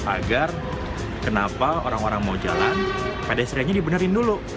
agar kenapa orang orang mau jalan pedestriannya dibenerin dulu